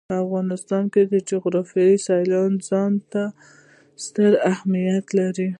د افغانستان جغرافیه کې سیلانی ځایونه ستر اهمیت لري.